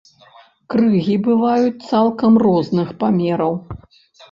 Крыгі бываюць цалкам розных памераў.